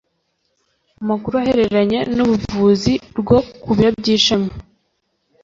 amakuru ahereranye n ubuvuzi rwo ku biro by ishami